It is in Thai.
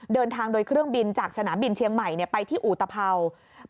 เดินทางโดยเครื่องบินจากสนามบินเชียงใหม่ไปที่อุตภัวร์